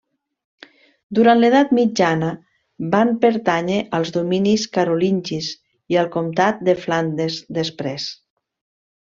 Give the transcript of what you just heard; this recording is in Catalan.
Durant l'Edat Mitjana van pertànyer als dominis carolingis i al comtat de Flandes després.